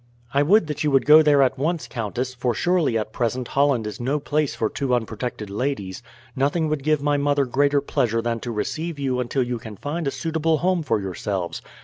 "I would that you would go there at once, countess; for surely at present Holland is no place for two unprotected ladies. Nothing would give my mother greater pleasure than to receive you until you can find a suitable home for yourselves.